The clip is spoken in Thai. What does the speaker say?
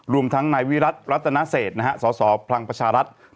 รวมทั้งนายวิรัติรัตนเศษนะฮะสสพลังประชารัฐ